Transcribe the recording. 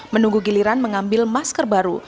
menunggu giliran mengambil masker baru